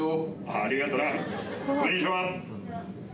ありがとな